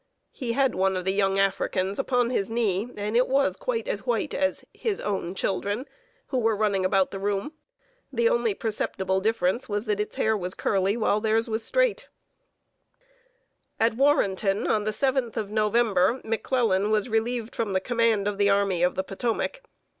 He had one of the young Africans upon his knee, and it was quite as white as "his own children," who were running about the room. The only perceptible difference was that its hair was curly, while theirs was straight. [Sidenote: REMOVAL OF GENERAL MCCLELLAN.] At Warrenton, on the 7th of November, McClellan was relieved from the command of the Army of the Potomac.